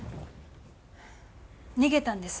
逃げたんです。